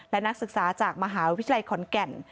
และนักศึกษาจากมหาวิทยาลัยขอนแก่น